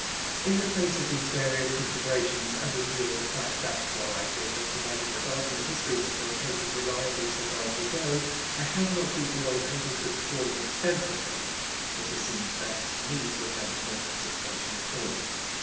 In the face of these various considerations, and in view of the fact that, while I feel justified in regarding the histories of my cases as reliable so far as they go, I have not been always able to explore them extensively, it has seemed best to me to attempt no classification at all.